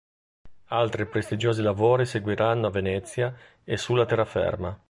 Altri prestigiosi lavori seguiranno a Venezia e sulla terraferma.